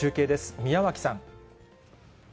宮脇さん。